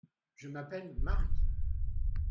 Je m'appelle Mary.